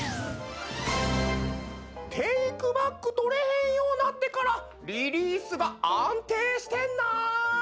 テイクバックとれへんようなってからリリースが安定してんな。